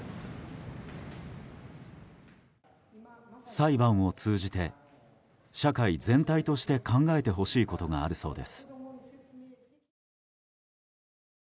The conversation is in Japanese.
裁判を通じて、社会全体として考えてほしいことがあるそうです。